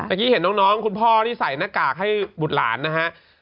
เมื่อกี้เห็นน้องคุณพ่อที่ใส่หน้ากากให้บุตรหลานนะฮะ